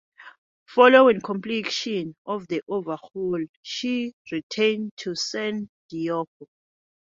Following completion of the overhaul, she returned to San Diego.